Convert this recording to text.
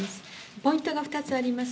ポイントが２つあります。